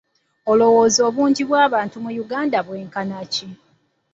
Olowooza obungi bw'abantu mu Uganda bwenkana ki?